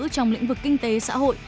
trong lĩnh vực kinh tế xã hội